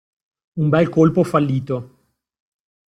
Un bel colpo fallito.